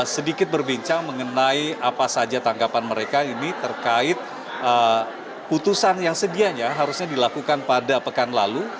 sedikit berbincang mengenai apa saja tanggapan mereka ini terkait putusan yang sedianya harusnya dilakukan pada pekan lalu